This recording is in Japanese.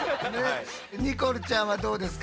ニコルちゃんはどうですか？